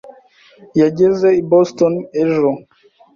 yageze i Boston ejo.